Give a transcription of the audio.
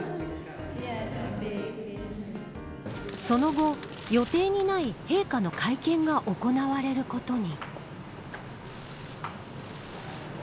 その後、予定にない陛下の会見が行われることに。